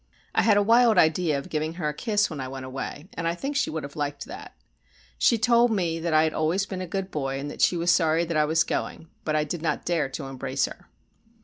I had a wild idea of giving her a kiss when I went away, and I think she would have liked that. She told me I had always been a good boy, and that she was sorry that I was going; but I did not dare to embrace her.